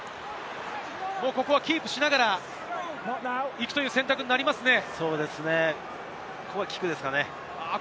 ここはキープしながら行くという選択になりますね。